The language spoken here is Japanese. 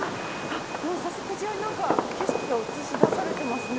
もう早速こちらになんか景色が映し出されてますね。